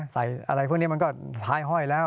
อะไรพวกนี้มันก็ท้ายห้อยแล้ว